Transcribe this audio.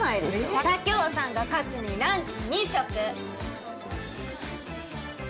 佐京さんが勝つにランチ２食！